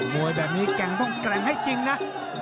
วยแบบนี้แกร่งต้องแกร่งให้จริงนะ